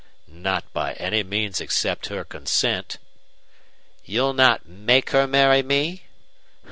"Not by any means except her consent." "You'll not make her marry me?"